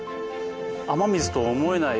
雨水とは思えない